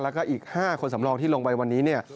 และก็อีก๕คนสำลองที่ลงไปวันนี้